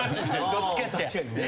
どっちかって。